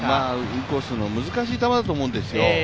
インコースの難しい球だと思うんですよ。